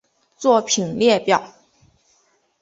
作品列表